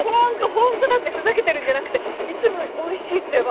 ホントだってふざけてるんじゃなくていつもよりおいしいってば。